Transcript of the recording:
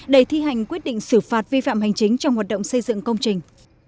để thi hành quyết định xử phạt vi phạm hành chính trong hoạt động xây dựng công trình